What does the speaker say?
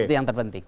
itu yang terpenting